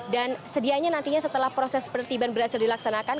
dan sedianya nantinya setelah proses penertiban berhasil dilaksanakan